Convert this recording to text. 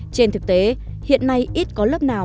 trên thực tế hiện nay ít có lớp nào